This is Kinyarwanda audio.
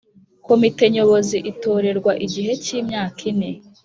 Komite Nyobozi itorerwa igihe cy’imyaka ine